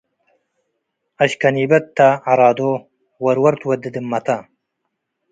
አሽከኒበት ተ ዐራዶ ወርወር ትወዴ ደመተ